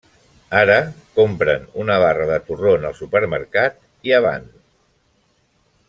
Ara compren una barra de torró en el supermercat i avant.